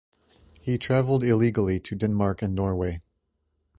He traveled illegally to Denmark and Norway.